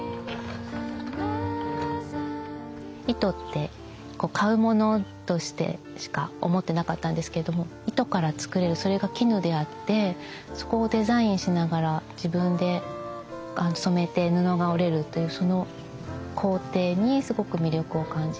糸って買うものとしてしか思ってなかったんですけれども糸から作れるそれが絹であってそこをデザインしながら自分で染めて布が織れるというその工程にすごく魅力を感じて。